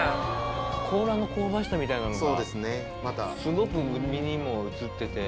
甲羅の香ばしさみたいなのがすごく身にも移ってて。